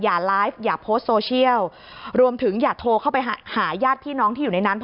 อย่าไลฟ์อย่าโพสต์โซเชียลรวมถึงอย่าโทรเข้าไปหาญาติพี่น้องที่อยู่ในนั้น